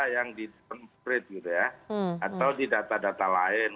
yang di comprate gitu ya atau di data data lain